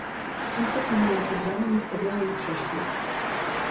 Służba pilnująca bramy nie stawiała jej przeszkód.